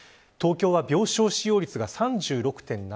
東京は病床使用率が３６．７％